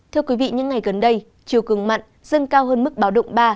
thưa quý vị những ngày gần đây chiều cường mặn dâng cao hơn mức báo động ba